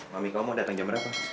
mami kau mau datang jam berapa